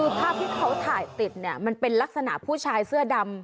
คือภาพที่เขาถ่ายติดเนี่ยมันเป็นลักษณะผู้ชายเสื้อดำ